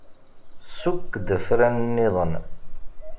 Sukk-d afran-nniḍen.